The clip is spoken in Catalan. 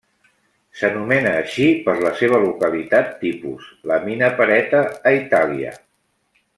S’anomena així per la seva localitat tipus, la mina Pereta, a Itàlia.